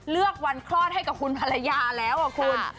เลือกวันคลอดให้กับคุณภรรยาแล้วคุณ